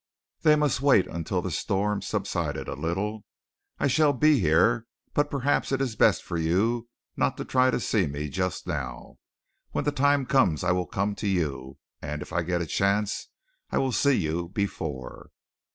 They must wait until the storm subsided a little. "I shall be here, but perhaps it is best for you not to try to see me just now. When the time comes, I will come to you, and if I get a chance, I will see you before."